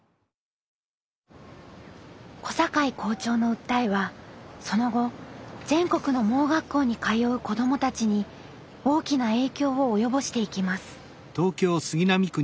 小坂井校長の訴えはその後全国の盲学校に通う子どもたちに大きな影響を及ぼしていきます。